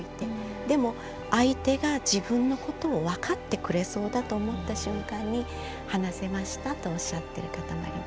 でも相手が自分のことを分かってくれそうだと思った瞬間に話せましたとおっしゃってる方もありました。